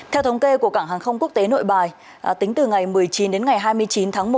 theo thống kê của cảng hàng không quốc tế nội bài tính từ ngày một mươi chín đến ngày hai mươi chín tháng một